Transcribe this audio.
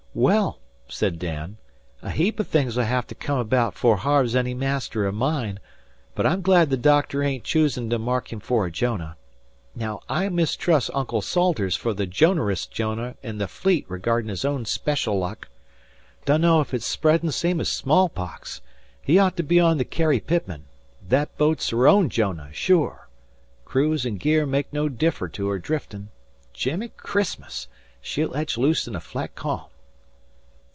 "Well," said Dan, "a heap o' things'll hev to come abaout 'fore Harve's any master o' mine; but I'm glad the doctor ain't choosen to mark him for a Jonah. Now, I mistrust Uncle Salters fer the Jonerest Jonah in the Fleet regardin' his own special luck. Dunno ef it's spreadin' same's smallpox. He ought to be on the Carrie Pitman. That boat's her own Jonah, sure crews an' gear made no differ to her driftin'. Jiminy Christmas! She'll etch loose in a flat ca'am."